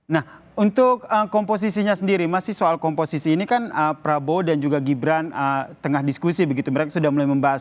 nah untuk komposisinya sendiri masih soal komposisi ini kan prabowo dan juga gibran tengah diskusi begitu mereka sudah mulai membahas